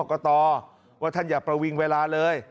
กตว่าท่านอย่าประวิงเวลาเลย